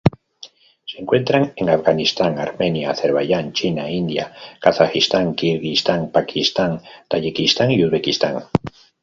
Se encuentran en Afganistán, Armenia, Azerbaiyán, China, India, Kazajistán, Kirguistán, Pakistán, Tayikistán, y Uzbekistán.